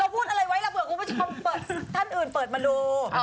เราพูดอะไรไว้ละเปอดกรุงผู้ชมเผยี่งท่านอื่นเปิดมาดู